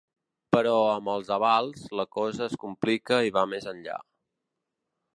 Però, amb els avals, la cosa es complica i va més enllà.